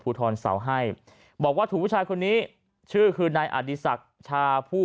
ภูทรเสาให้บอกว่าถูกผู้ชายคนนี้ชื่อคือนายอดีศักดิ์ชาผู้